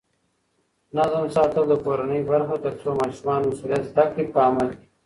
نظم ساتل د کورنۍ برخه ده ترڅو ماشومان مسؤلیت زده کړي په عمل کې.